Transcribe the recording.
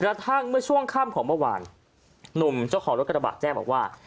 กระทั่งเมื่อช่วงค่ำของเมื่อวานหนุ่มเจ้าของรถกระบะแจ้งบอกว่า